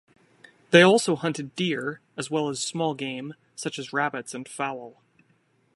They also hunted deer, as well as small game such as rabbits and fowl.